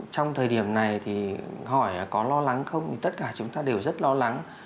trong thời điểm này thì hỏi có lo lắng không tất cả chúng ta đều rất lo lắng